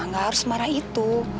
nggak harus marah itu